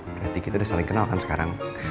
berarti kita udah saling kenal kan sekarang